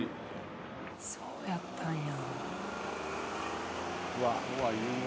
そうやったんや。